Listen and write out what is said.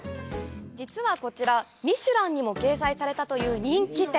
実はこちら、ミシュランにも掲載されたという人気店。